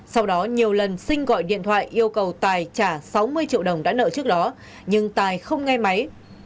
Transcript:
sau đó nhiều lần sinh gọi điện thoại yêu cầu tài trả sáu mươi triệu đồng đã nợ trước đó nhưng tài không nghe máy